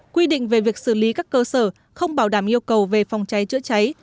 quy định về việc xử lý các cơ sở không bảo đảm yêu cầu về phòng cháy chữa cháy